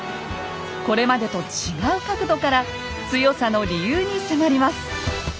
これまでと違う角度から強さの理由に迫ります。